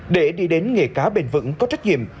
để đi đến nghề cá bền vững có trách nhiệm